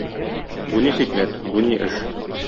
Бу ни хикмәт, бу ни эш?